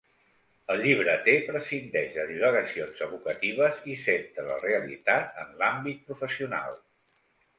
El llibreter prescindeix de divagacions evocatives i centra la realitat en l'àmbit professional.